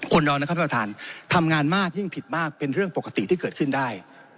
คนเราทำงานมากยิ่งผิดมากเป็นเรื่องปกติที่เกิดขึ้นได้